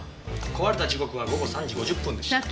壊れた時刻は午後３時５０分でした。